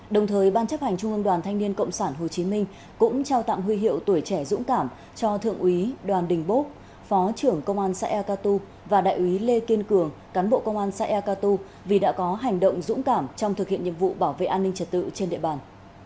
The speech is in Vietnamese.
đồng thời ban chấp hành trung ương đoàn thanh niên cộng sản hồ chí minh cũng trao tặng huy hiệu tuổi trẻ dũng cảm cho thượng úy đoàn đình bốc phó trưởng công an xã ea ca tu và đại úy lê kiên cường cán bộ công an xã ea ca tu vì đã có hành động dũng cảm trong thực hiện nhiệm vụ bảo vệ an ninh trả tự trên địa bàn